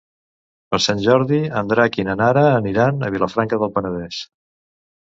Per Sant Jordi en Drac i na Nara aniran a Vilafranca del Penedès.